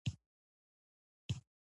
د شیدو سره غوښه نه خوړل کېږي.